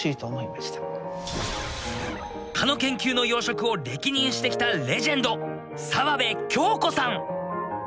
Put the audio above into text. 蚊の研究の要職を歴任してきたレジェンド沢辺京子さん。